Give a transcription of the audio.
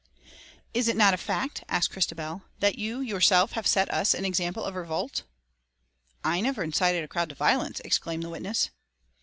"Is it not a fact," asked Christabel, "that you yourself have set us an example of revolt?" "I never incited a crowd to violence," exclaimed the witness.